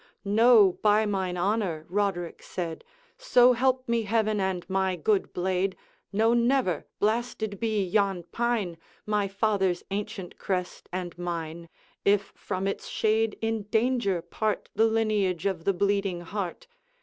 'No, by mine honor,' Roderick said, 'So help me Heaven, and my good blade! No, never! Blasted be yon Pine, My father's ancient crest and mine, If from its shade in danger part The lineage of the Bleeding Heart!